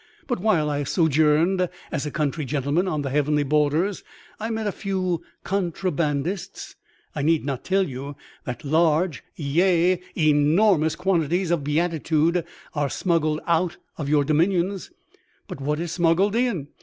But while I sojourned as a country gentleman on the heavenly borders, I met a few contrabandists. I need not tell you that large, yea, enormous quantities of beatitude are smuggled out of your dominions." "But what is smuggled in?"